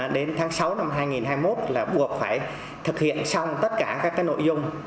đến tháng sáu năm hai nghìn hai mươi một là buộc phải thực hiện xong tất cả các nội dung